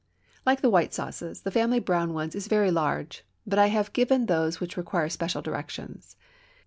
Like the white sauces, the family of brown ones is very large, but I have given those which require special directions.